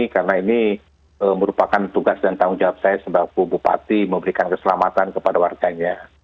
karena ini merupakan tugas dan tanggung jawab saya sebab bupati memberikan keselamatan kepada wartanya